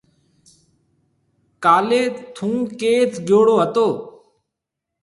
ڪاليَ ٿُون ڪيٿ گيوڙو هتو۔